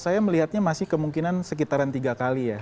saya melihatnya masih kemungkinan sekitaran tiga kali ya